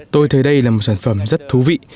tôi thấy đây là một sản phẩm rất thú vị